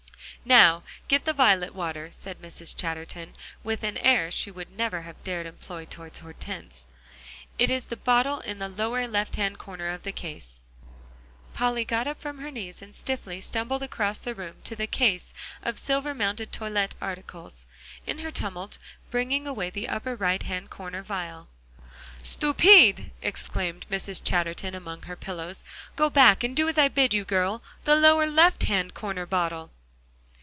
"Now get the violet water," said Mrs. Chatterton, with an air she would never have dared employ towards Hortense; "it is the bottle in the lower left hand corner of the case." Polly got up from her knees, and stiffly stumbled across the room to the case of silver mounted toilet articles: in her tumult bringing away the upper right hand corner vial. "Stupide!" exclaimed Mrs. Chatterton among her pillows. "Go back, and do as I bid you, girl; the lower left hand corner bottle!"